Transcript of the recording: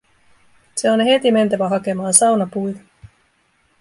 Se on heti mentävä hakemaan saunapuita.